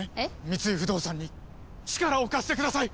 三井不動産に力を貸してください！